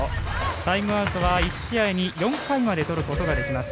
タイムアウトは１試合に４回までとることができます。